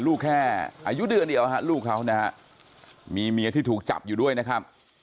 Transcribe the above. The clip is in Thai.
ลูกแค่อายุเดือนเดียวฮะลูกเขานะฮะมีเมียที่ถูกจับอยู่ด้วยนะครับ